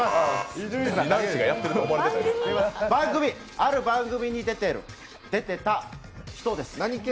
ある番組に出てた人です。